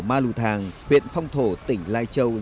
ma lù thàng huyện phong thổ tỉnh lai châu